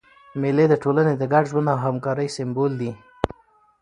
مېلې د ټولني د ګډ ژوند او همکارۍ سېمبول دي.